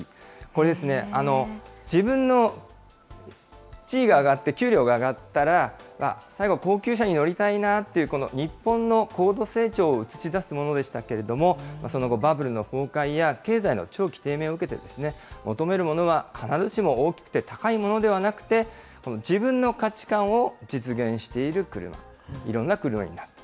これですね、自分の地位が上がって給料が上がったら、最後、高級車に乗りたいなぁっていう、この日本の高度成長を映し出すものでしたけれども、その後、バブルの崩壊や経済の長期低迷を受けて、求めるものは必ずしも大きくて高いものではなくて、自分の価値観を実現している車、いろんな車になった。